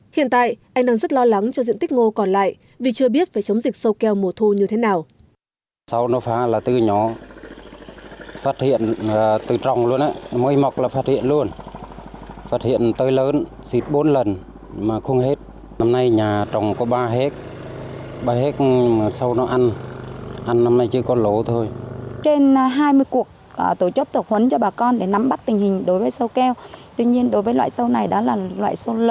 hiện tại anh đang rất lo lắng cho diện tích ngô còn lại vì chưa biết phải chống dịch sâu keo mùa thu như thế nào